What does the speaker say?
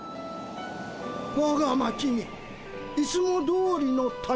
「わが町にいつもどおりの旅の風」。